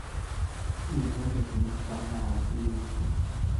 Үлһәм дә, һине ҡосағыма алып үләйем.